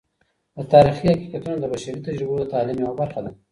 د تاریخی حقیقتونه د بشري تجربو د تعلیم یوه برخه ده.